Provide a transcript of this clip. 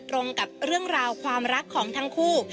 ตรงกับเรื่องราวความรักของทั้งคู่